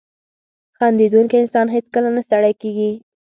• خندېدونکی انسان هیڅکله نه ستړی کېږي.